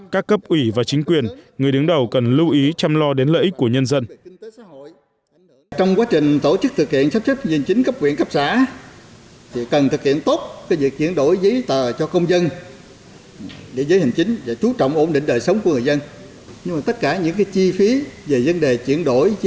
các cấp ủy và chính quyền người đứng đầu cần lưu ý chăm lo đến lợi ích của nhân dân